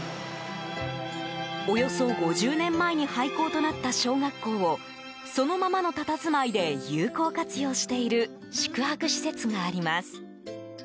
およそ５０年前に廃校となった小学校をそのままのたたずまいで有効活用している宿泊施設があります。